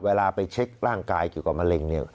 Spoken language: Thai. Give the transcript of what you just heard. เวลาไปเช็คร่างกายเกี่ยวกับมะเร็งเนี่ย